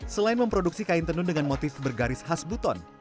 selain memproduksi kain tenun dengan motif bergaris khas buton